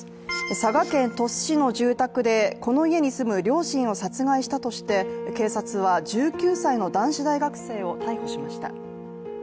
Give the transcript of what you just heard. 佐賀県鳥栖市の住宅でこの家に住む両親を殺害したとして警察は１９歳の男子大学生を逮捕しました。